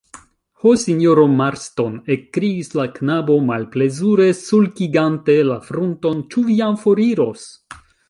Ho, sinjoro Marston, ekkriis la knabo, malplezure sulkigante la frunton, ĉu vi jam foriros?